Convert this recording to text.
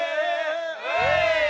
おい！